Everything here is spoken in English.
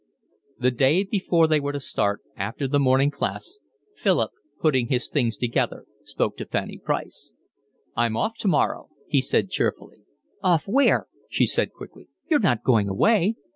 The day before they were to start, after the morning class, Philip, putting his things together, spoke to Fanny Price. "I'm off tomorrow," he said cheerfully. "Off where?" she said quickly. "You're not going away?"